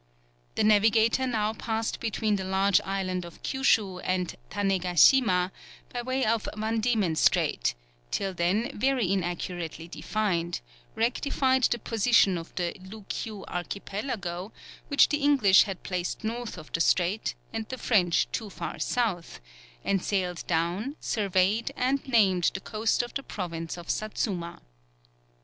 The navigator now passed between the large island of Kiushiu and Tanega Sima, by way of Van Diemen Strait, till then very inaccurately defined, rectified the position of the Liu Kiu archipelago, which the English had placed north of the strait, and the French too far south, and sailed down, surveyed and named the coast of the province of Satsuma.